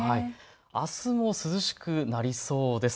あすも涼しくなりそうです。